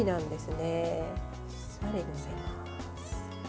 どっさり載せます。